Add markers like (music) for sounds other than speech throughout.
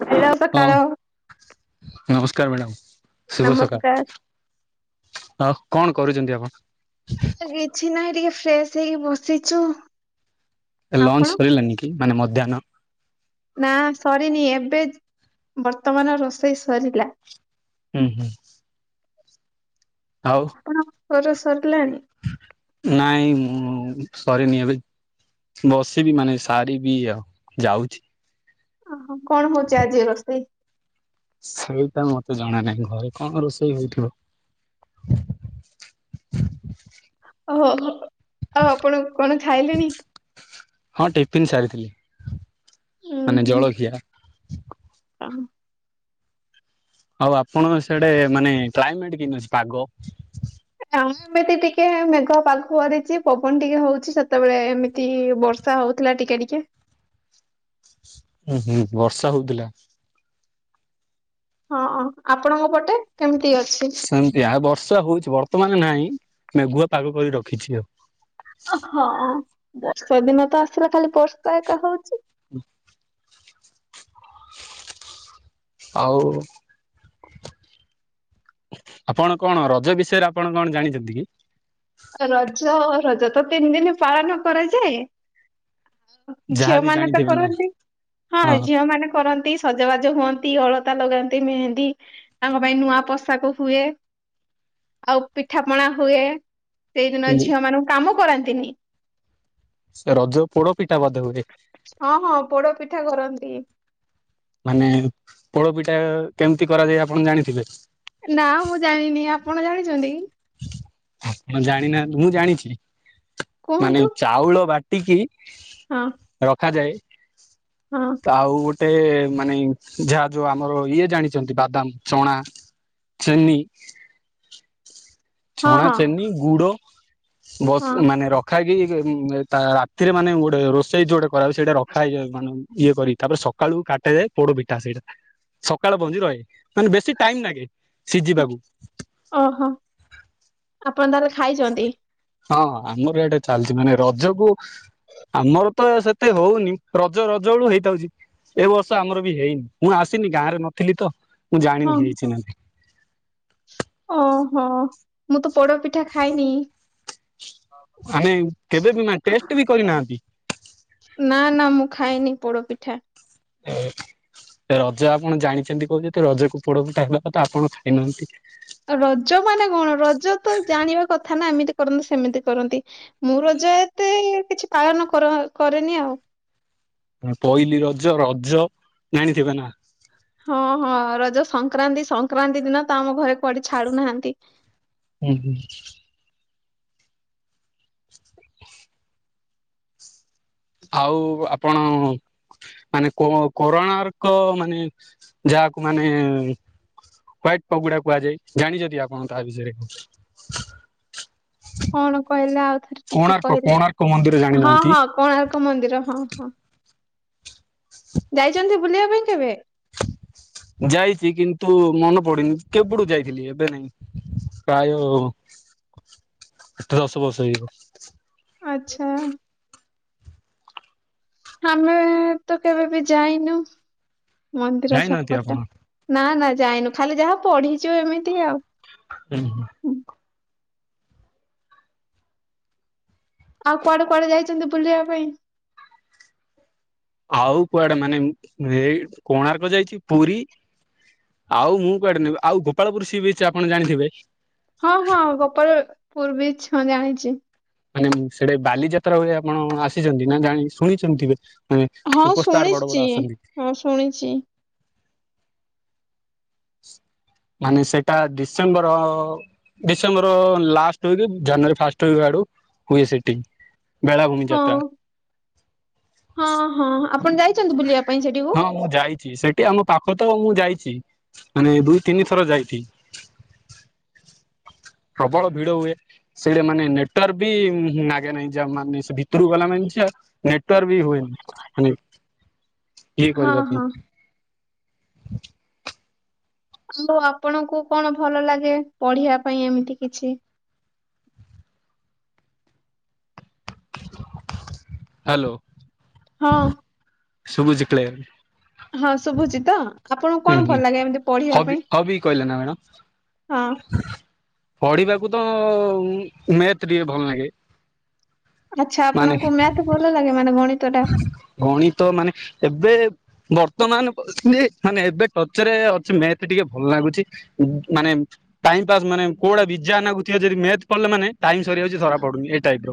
(unintelligible) ହଁ ସକାଳ। ନମସ୍କାର ମ୍ୟାଡ଼ାମ ଶୁଭ ସକାଳ। ନମସ୍କାର। ଆଉ କଣ କରୁଚନ୍ତି ଆପଣ? କିଛି ନାହିଁ ଟିକେ ଫ୍ରେଶ ହେଇକି ବସିଚୁ। ଲଞ୍ଚ ସରିଲୋନି କି ମାନେ ମଧ୍ୟାହ୍ନ? ନା ସରିନି ଏବେ ବର୍ତ୍ତମାନ ରୋଷେଇ ସରିଲା। ହୁଁ ହୁଁ। ଆଉ ଆପଣ ଙ୍କ ର ସରିଲାଣି? ନାଇଁ ମୁଁ ସରିନି ଏବେ ବସିବି ମାନେ ସାରିବି ଆଉ ଯାଉଚି ଓହୋ କଣ ହଉଚି ଆଜି ରୋଷେଇ? ସେଇଟା ମତେ ଜଣ ନାହିଁ ଘରେ କଣ ରୋଷେଇ ହୋଉଥିବ ଓହୋ ଆଉ ଆପଣ କଣ ଖାଇଲେଣି? ହଁ ଟିଫିନ ସାରିଥିଲି ଉୁଁ ମାନେ ହୁଁ ଜଳଖିଆ। ଆଉ ଆପଣଙ୍କ ସିଆଡେ ମାନେ କ୍ଲାଇମେଟ କେମତି ଅଛି ପାଗ? ଆଉ ଏମିତି ଟିକେ ମେଘ ପାଗ କରିଚି ପବନ ଟିକେ ହଉଚି ସେତେବେଳେ ଏମିତି ବର୍ଷ ସା ହଉଥିଲା ଟିକେ ଟିକେ। ହୁଁ ହୁଁ ବର୍ଷା ହଉଥିଲା। ହଁ ଆପଣଙ୍କ ପଟେ କେମିତି ଅଛି। ସେମତି ଆଉ ବର୍ଷା ହଉଛି ବର୍ତ୍ତମାନ ନାହିଁ ମେଘୁଆ ପାଗ କରି ରଖିଚି ଆଉ। ଓ ହଁ ବର୍ଷା ଦିନ ତ ଆସିଲା ଖାଲି ବର୍ଷ ଏକା ହଉଚି। ହ ଆଉ ଆପଣ କଣ ରଜ ବିଷୟରେ ଆପଣ କଣ ଜାଣିଚନ୍ତି କି? ରଜ ରଜ ତ ତିନି ଦିନ ପାଳନ କରାଯାଏ। ଝିଅ ଯାହାବି ମାନେ ତ ଜାଣିଥିବେ ନା କରନ୍ତି ହଁ ଝିଅ ମାନେ କରନ୍ତି। ସଜବାଜ ହୁଅନ୍ତି ଅଳତା ଲଗାନ୍ତି ମେହେନ୍ଦୀ ତାଙ୍କ ପାଇଁ ନୂଆ ପୋଷାକ ହୁଏ। ଆଉ ପିଠାପଣା ହୁଏ ସେଇଦିନ ଝିଅ ମାନଙ୍କୁ କାମ କରନ୍ତିନି। ରଜ ପୋଡ ପିଠା ବଧ ହୁଏ? ହଁ ହଁ ପୋଡ ପିଠା କରନ୍ତି। ମାନେ ପୋଡ଼ ପିଟା କେମିତି କରାଯାଏ ଆପଣ ଜାଣିଥିବେ। ନା ମୁଁ ଜାଣିନି ଆପଣ ଜାଣିଚନ୍ତି କି? ହଁ ଜାଣିନାହାନ୍ତି ମୁଁ ଜାଣିଚି କୁହନ୍ତୁ ମାନେ ଚାଉଳ ବାଟ ଟିକି ହଁ ରଖାଯାଏ। ହଁ। ଆଉ ଗୋଟେ ମାନେ ଯାହା ଯୋଉ ଆମର ଇଏ ଜାଣିଚନ୍ତି ବାଦାମ ଚଣା? ଚେନି। ହଁ ଛଣା ହଁ ଚେନି ଗୁଡ ହଁ ବସ ମାନେ ରଖାକି ରାତିରେ ମାନେ ଗୋଟେ ରୋଷେଇ ଯୋଉଟା କରା ସେଇଟା ରଖାଇଯଏ ମାନେ ଇଏ କରି ତାପରେ ସ ମକାଳୁ କାଟାଯାଏ ପୋଡ଼ ପିଠା। ସକାଳ ପଞ୍ଜି ରହେ ମାନେ ବେଶୀ ଟାଇମ ଲାଗେ ସିଝିବାକୁ। ଓହୋ। ଆପଣ ତାହାରଲେ ଖାଇଛନ୍ତି? ହଁ ଆମର ଏଇଟା ଚାଲିଛି ମାନେ ରଜକୁ ଆମର ତ ସେତେ ହଉନି ରଜ ରଜ ବେଳୁ ହେଇଯାଉଛି। ଏ ବର୍ଷ ଆମର ବି ହେଇନି ମୁଁ ଆସିନି ଗାଁରେ ନଥିଲି ତ ମୁଁ ହଁ ଜାଣିନି ହେଇଛିି ନା ନାହିଁ। ଓହୋ ମୁଁ ତ ପୋଡପିଠା ଖାଇନି। ଆମେ କେବେ ବି ମା ଟେଷ୍ଟ ବି କରିନାହାନ୍ତି? ନା ନା ମୁଁ ଖାଇନି ପୋଡପିଠା। (inaudible) ରଜ ଆପଣ ଜାଣିଛନ୍ତି କହୁଛନ୍ତି ରଜକୁ ପୋଡ ପିଠା ହେଲା ଆପଣ ଖାଇନାହାନ୍ତି? ରଜ ମାନେ କଣ ରଜ ତ ଜାଣିବା କଥା ନା ଏମିତି କରନ୍ତି ସେମିତି କରନ୍ତି। ମୁଁ ରଜ ଏତେ କିଛି ପାଳନ କର କରେନି ଆଉ। ପହଲିି ରଜ ରଜ ଜାଣିଥିବେ ନା? ହଁ ହଁ ରଜ ସଂକ୍ରାନ୍ତି ସଂକ୍ରାନ୍ତି ଦିନ ତ ଆମ ଘରେ କୁଆଡେ ଛାଡୁନାହାନ୍ତି। ହୁଁ ହୁଁ। ଆଉ ଆପଣ ମାନେ କରୋରୋଣାର୍କ ମାନେ ଯାହାକୁ ମାନେ ହ୍ୱାଇଟ ପଗୁଡା କୁହାଯାଏ ଜାଣିଛନ୍ତି ଆପଣ ତା ବିଷୟରେ? କଣ କହିଲେ ଆଉ ଥରେ ଟିକେ କୋଣାର୍କ କହିଲେ କୋଣାର୍କ ମନ୍ଦିର ହଁ ଜାଣିନାହାନ୍ତି? ହଁ କୋଣାର୍କ ମନ୍ଦିର ହଁ ହଁ। ଯାଇଛନ୍ତି ବୁଲିବା ପାଇଁ କେବେ? ଯାଇଛି କିନ୍ତୁ ମନେ ପଡିନି କେବେଠୁ ଯାଇଥିଲି ଏବେ ନାଇଁ। ପ୍ରାୟ ଆଠ ଦଶ ବର୍ଷ ହେଇଯିବ। ଆଚ୍ଛା। ଆମେ ତ କେବେ ବି ଯାଇନୁ ମନ୍ଦିର ଯାଇନାହାନ୍ତି ଆପଣ ସେପଟେ। ନା ନା ଯାଇନୁ ଖାଲି ଯାହା ପଢିଛୁ ଏମିତି ଆଉ। ଉଁ ହୁଁ। ଆଉ କୁଆଡେ କୁଆଡେ ଯାଇଛନ୍ତି ବୁଲିବା ପାଇଁ? ଆଉ କୁଆଡେ ମାନେ ଏଇ କୋଣାର୍କ ଯାଇଛି ପୁରୀ ଆଉ ମୁଁ କୁଆଡେ ନେବେ ଆଉ ଗୋାଳପୁର ସିବିଚି ଅଛି ଆପଣ ଜାଣିଥିବେ? ହଁ ହଁ ଗୋପାଳପୁର ବିଚ ହଁ ଜାଣିଛି। ମାନେ ସେଡେ ବାଲିଯାତ୍ରା ହୁଏ ଆପଣ ଆସିଛନ୍ତି ନା ଜାଣି ଶୁଣିଛନ୍ତି? ହୁ ହଁ ସୁପରଷ୍ଟାର ବଡ ଶୁଣିଛି ବଡ ଆସନ୍ତି। ହଁ ଶୁଣିଛି। ମାନେ ସେଇଟା ଡିସେମ୍ବର ଡିସେମ୍ବର ଲାଷ୍ଟ ହୁଏକି ଜାନୁଆରୀ ଫାଷ୍ଟ ହୁଇକି ଆଡୁ ହୁଏ ସେଟି। ବେଳାଭୂମି ହଁ ଯାତ୍ରା। ହଁ ହଁ ଆପଣ ଯାଇଛନ୍ତି ବୁଲିବା ପାଇଁ ସେଠି? ହଁ ମୁଁ ଯାଇଛି ସେଠି ଆମ ପାଖ ତ ମୁଁ ଯାଇଛି ମାନେ ଦୁଇ ତିନି ଥର ଯାଇଚି। ପ୍ରବଳ ଭିଡ ହୁଏ। ସେଇଟା ମାନେ ନେଟୱାର୍କ ବି ନାଗେ ନାଇଁ ଯ ମାନେ ସେ ଭିତରକୁ ଗଲା ମାନେ ଯ ନେଟୱାର୍ ବି ହୁଏ ନି କିଏ ହଁ କରିବା ତ ହଁ ଆଉ ଆପଣଙ୍କୁ କଣ ଭଲ ଲାଗେ ପଢିବା ପାଇଁ ଏମିତି କିଛି? ହାଲୋ। ହଁ। ଶୁବୁଛିି କ୍ଲେୟର। ହଁ ଶୁଭୁଚି ତ? ଆପଣଙ୍କୁ କଣ ହୁଁ ହୁଁ ଭଲ ଲାଗେ ଏମିତି ପଢିବା ହବି ପାଇଁ? ହବି କହିଲେ ନା ହଁ ମ୍ୟାଡ଼ାମ୍? ପଢିବାକୁ ତ-ଅ ମେଥ୍ ଟିକେ ଭଲ ନାଗେ। ଆଚ୍ଛା ଆପଣଙ୍କୁ ମ୍ୟାଥ୍ ଭଲ ଲାଗେ ମାନେ ଗଣିତଟା। ଗଣିତ ମାନେ ଏବେ ବର୍ତ୍ତମାନ ନେ ମାନେ ଏବେ ଟଚରେ ଅଛି ମ୍ୟାଥ୍ ଟିକେ ଭଲ ନାଗୁଛି। ଉ ମାନେ ଟାଇମ୍ ପାସ୍ ମାନେ କୋଉଭଳିଆ ବିଯାଆ ନାଗୁଥିବ ଯଦି ମ୍ୟାଥ୍ ପଢ଼ିଲେ ମାନେ ଟାଇମ୍ ସରିଯାଉଛି ଧରାପଡୁନି ଏ ଟାଇପ୍ ର।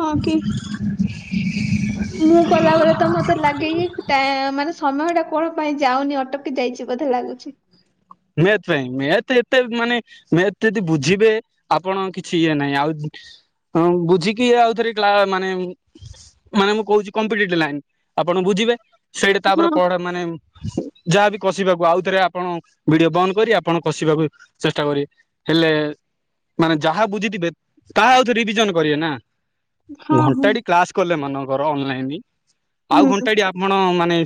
ହଁ କି? ମୁଁ କଲାବେଳେ ତ ମତେ ଲାଗେ କିି ଟା-ଆ ମାନେ ସମୟଟା କଣ ପାଇଁ ଯାଉନି ଅଟକି ଯାଇଛି ବୋଧେ ଲାଗୁଛି। ମେଥ୍ ପାଇଁ ମ୍ୟାଥ୍ ଏତେ ମାନେ ମେଥ୍ ତେଦି ବୁଝିବେ ଆପଣ କିଛି ଇଏ ନାହିଁ, ଆଉ ହଁ ବୁଝିକି ଆଉଥରେ କ୍ଲା ମାନେ ମାନେ ମୁଁ କୋହୁଛି କମ୍ପିଟିଟିଲାଇନ୍ ଆପଣ ବୁଝିବେ। ସେଇଟି ତାପରେ ହଁ ପଢ ମାନେ ଯାହାବି କସିବାକୁ ଆଉଥରେ ଆପଣ ଭିଡିଓ ବନ୍ଦ କରି ଆପଣ କସିବାକୁ ଚେଷ୍ଟା କରିିବେ, ହେଲେ ମାନେ ଯାହା ବୁଝିଥିବେ ତାହା ଆଉଥ ରିଭିଜନ କରିବେ ନା। ହଁ ହଁ। ଘଣ୍ଟାଟି କ୍ଲାସ୍ କଲେ ଏମାନଙ୍କର ଅନଲାଇନ ଆଉ ହୁଁ ଘଣ୍ଟାଟି ଆ ପଣ ମାନେ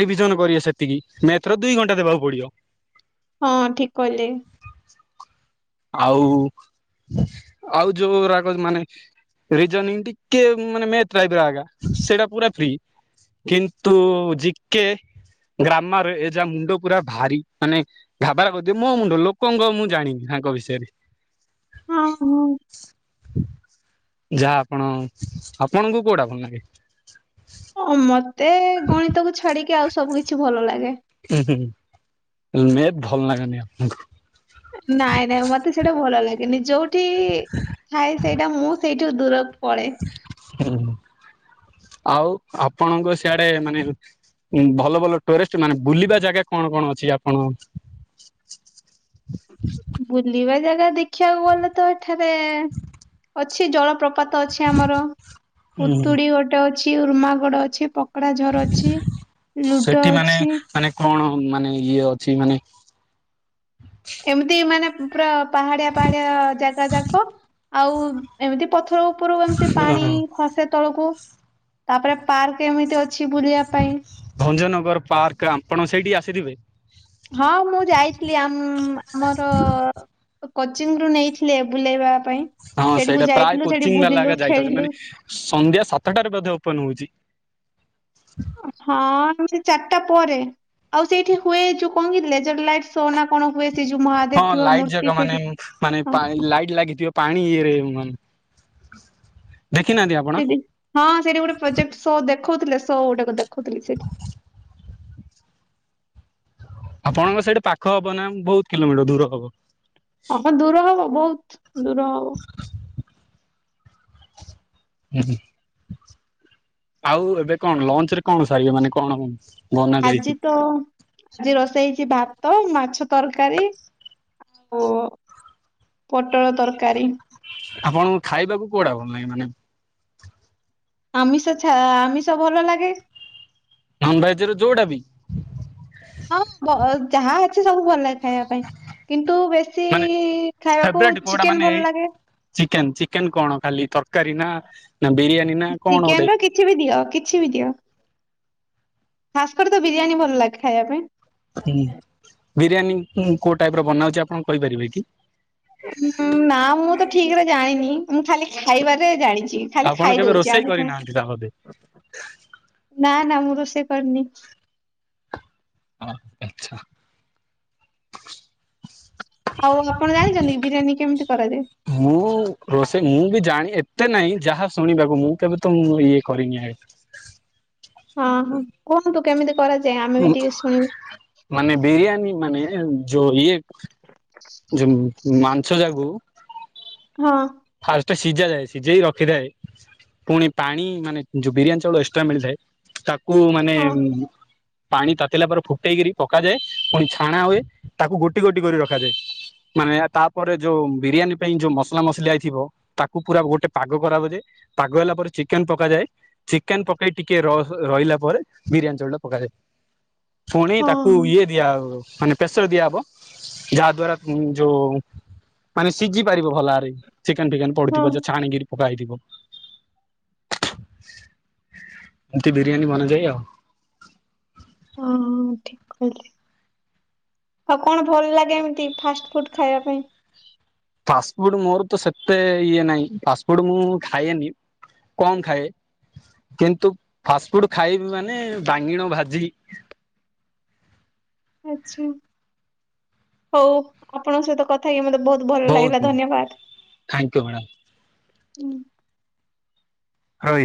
ରିଭିଜନ କରିବେ ସେତିକି, ମେଥ୍ ର ଦୁଇ ଘଣ୍ଟା ଦେବାକୁ ପଡିବ। ହଁ ଠିକ୍ କହିଲେ। ଆଉ, ଆଉ ଯୋଉ ରାଗ ମାନେ ରିଜନିଂ ଟିକେ ମାନେ ମ୍ୟାଥ୍ ଟାଇପ୍ ର ଆଗା ସେଇଟା ପୁରା ଫ୍ରି। କିନ୍ତୁ-ଉ ଜିକେ, ଗ୍ରାମାରେ ଏ ଯା ମୁଣ୍ଡ ପୁରା ଭାରି। ମାନେ ଘାବରା କରିଦିଏ ମୋ ମୁଣ୍ଡ, ଲୋକଙ୍କ ମୁଁ ଜାଣିନି ତାଙ୍କ ବିଷୟରେ। ହଁ ହଁ। ଯାଆ ଆପଣ ଆପଣଙ୍କୁ କୋଉଟା ଭଲ ନାଗେ? ଓ ମତେ-ଏ ଗଣିତକୁୁ ଛାଡିକି ଆଉ ସବୁ କିଛି ଭଲ ଲାଗେ। ଉଁ ହୁଁ ମେଥ୍ ଭଲ ଲାଗେନି ଆପଙ୍କୁ। ନାଇଁ ନାଇଁ ମତେ ସେଇଟା ଭଲ ଲାଗେନି ଯୋଉଠି-ଇ ଥାଏ ସେଇଟା ମୁଁ ସେଇଠୁ ଦୂର ପଳେ। ହୁଁ, ଆଉ ଆପଣଙ୍କ ସିଆଡେ ମାନେ ଉଁ ଭଲ ଭଲ ଟୁରେଷ୍ଟ ମାନେ ବୁଲିବା ଜାଗା କଣ କଣ ଅଛି ଆପଣ ବୁଲିବା ଜାଗା ଦେଖିଆକୁ ଗଲେ ତ ଏଠାରେ ଅଛି ଜଳପ୍ରପା ତ ଅଛି ଆମର, ଉଁ ପୁତୁଡି ଗୋଟେ ଅଛି, ଉର୍ମାଗଡ ଅଛି, ପ କଡା ଝର ଅଛି, ଲୁଡୋ ସେଠି ମାନେ ଅଛି। ମାନେ କଣ ମାନେ ଇଏ ଅଛି ମାନେ ଏମିତି ମାନେ ପୁରା ପାହାଡିଆ ପାହାଡିଆ-ଆ ଜାଗା ଯାକ ଆଉ ଏମିତି ପଥର ଉପୁରୁ ଏମିତି ପାଣି ଖସେ ତଳକୁ ତାପରେ ପାର୍କ ଏମିତି ଅ ଅଛି ବୁଲିବା ପାଇଁ। ଭଞ୍ଜନଗର ପାର୍କ ଆଁପଣ ସେଇଠି ଆସିଥିବେ। ହଁ ମୁଁ ଯାଇଥିଲି ଆମ୍ ଆମର କୋଚିଂ ରୁ ନେଇଥିଲେ ବୁଲେଇବା ପାଇଁ। ହଁ ସେଇଠିକୁ ସେଇଟା ପ୍ରାୟ ଯାଇଥିଲୁ ସେଠି କୋଚିଂ ବାଲା ବୁଲିଲୁ ଆଗା ଯାଇଥାଉଛନ୍ତି ଖେଳିଲୁ ମାନେ ସନ୍ଧ୍ୟା ସାତଟାରେ ବଧେ ଓପନ ହଉଛି। ହଁ ଆଉ ସେ ଚାରିଟା ପରେ ଆଉ ସେଇଠି ହୁଏ ଯୋଉ କଣ କି ଲେଜର ଲାଇଟ୍ ସୋ ନା କଣ ହୁଏ ସେ ଯୋଉ ହଁ ମହାଦେବ ଥିବ ମୂର୍ତ୍ତି ସେଠି ହଁ। ଲାଇଟ ଲାଗିଥିବ। ପାଣି ଇଏରେ ମାନ ଦେଖିନାହାଁନ୍ତି ଆପ ସେଠି ହଁ ସେଠି ଗୋଟେ ପ୍ରୋଜେକ୍ଟ ସୋ ଦେଖଉଥିଲେ ସୋ ଗୋଟେକ ଦେଖଉଥିଲେ ସେଠି। ଆପଣଙ୍କ ସେଇଠି ପାଖ ହବ ନା ବହୁତ କିଲୋମିଟର ଦୂର ହବ? ହ ଦୂର ହବ ବହୁତ ଦୂର ହବ। ହୁଁ ଆଉ ଏବେ କଣ ଲଞ୍ଚ ରେ କଣ ସାରିବ ମାନେ କଣ ବନା ଯାଇଛି ଆଜି ତ ଆଜି ରୋଷେଇ ହେଇଛି ଭାତ ମାଛ ତରକାରୀ ଆଉ ପୋଟଳ ତରକାରୀ ଆପଣ ଖାଇବାକୁ କୋଉଟା ଭଲ ଲାଗେ ମାନେ? ଆମିଷଛ ଆମିଷ ଭଲ ଲାଗେ ନନ ଭେଜ ର ଯୋଉଟା ବି? ହଁ ଯାହା ଅଛି ସବୁ ଭଲ ଲାଗେ ଖାଇବା ପାଇଁ କିନ୍ତୁ ବେ ଶି ମାନେ ଖାଇବାକୁ ଫେବରାଇଟ କୋଉଟା ମାନେ ଚିକେନ ଏଇ ଭଲ ଲାଗେ। ଚିକେନ ଚିକେନ କଣ ଖାଲି ତରକାରୀ ନା ନା ବିରିୟାନୀ ନା କଣ ଚିକେନ ଗୋଟେ? ର କିଛି ବି ଦିଅ କିଛି ବି ଦିଅ। ଖାସ୍ କରି ତ ବିରିୟାନୀ ଭଲ ଲାଗେ ଖାଇବା ପାଇଁ। ହୁଁ ବିରିୟାନୀ କୋଉ ଟାଇପ ର ବନାହଉଛି ଆପଣ କହିପାରିବେ କି? ଉଁ ନା ମୁଁ ତ ଠିକ ରେ ଜାଣିନି ମୁଁ ଖାଲି ଖାଇବାରେ ଜାଣିଛି ଖାଲି ଆପଣ କେବେ ଖାଇଦଉଛି ରୋଷେଇ ଆଉ ସେ କରିନାହାନ୍ତି ତା ବୋଧେ? ନା ନା ମୁଁ ରୋଷେଇ କରିନି। ହଁ। ଆଉ ଆପଣ ଜାଣିଛନ୍ତି ବିରିୟାନୀ କେମିତି କରାଯାଏ? ମୁଁ ରୋଷେଇ ମୁଁ ବି ଜାଣି ଏତେ ନାହିଁ ଯାହା ଶୁଣିବାକୁ ମୁଁ କେବେ ତ ଇଏ କରିନି ଆ ହଁ ହଁ କୁହନ୍ତୁ କେମିତି କରାଯାଏ ଆମେ ବି ଟିକେ ଶୁଣିବୁ ମାନେ ବିରିୟାନୀ ମାନେ ଯ ଇଏ (unintelligible) ଜଉ ମାଂସ ଯାକୁ ହଁ। ଫାଷ୍ଟ ସିଝାଯାଏ ସିଝେଇ ରଖିଥାଏ। ପୁଣି ପାଣି ମାନେ ଯୋଉ ବିରିୟାନୀ ଚାଉଳ ଏକ୍ସଟ୍ରା ମିଳିଥାଏ ତାକୁ ମାନେ ହଁ ପାଣି ତାତିଲା ପରେ ଫୁଟେଇକିରି ପକାଯାଏ ପୁଣି ଛାଣା ହୁଏ ତାକୁ ଗୋଟି ଗୋଟି କରି ରଖାଯାଏ। ମାନେ ତାପରେ ଯୋଉ ବିରିୟାନୀ ପାଇଁ ଯୋଉ ମସଲା ମସଲିଆଇ ଥିବ ତାକୁ ପୁରା ଗୋଟେ ପାଗ କରା ଦାଏ ପାଗ ହେଲା ପରେ ଚିକେନ ପକାଯାଏ। ଚିକେନ ପକେଇ ଟିକେ ରହିଲା ପରେ ବିରିୟାନୀ ଚଉଳଟା ପକାଯାଏ। ପୁଣି ହଁ ତାକୁ ଇଏ ଦିଆବ ମାନେ ପ୍ରେସର ଦିଆହବ ଯାହା ଦ୍ଵାରା ଯୋଉ ମାନେ ସିଝି ପାରିବ ଭଲରେ ଚିକେନ ଫିକେନ ହଁ ପଡୁଥିବ ଛାଣିକିରି ପକା ହେଇଥିବ। ଏମତି ବିରିୟାନୀ ବନାଯାଏ ଆଉ। ଓହୋ ଠିକ କହିଲେ। ଆଉ କଣ ଭଲ ଲାଗେ ଏମିତି ଫାଷ୍ଟ ଫୁଡ ଖାଇବା ପାଇଁ? ଫାଷ୍ଟଫୁଡ ମୋର ତ ସେତେ ଇଏ ନାହିଁ। ଫାଷ୍ଟଫୁଡ ମୁଁ ଖାଏନି। କମ ଖାଏ। କିନ୍ତୁ ଫାଷ୍ଟଫୁଡ ଖାଇବ ମାନେ ବାଙ୍ଗିଣ ଭାଜି, ଆଚ୍ଛା। ହଉ। ଆପଣଙ୍କ ସହିତ କଥା ହେଇି ମତେ ବହୁତ ଭଲ ଲାଗିଲା ଧନ୍ୟବାଦ। Thank you madam. ରହୁଛି।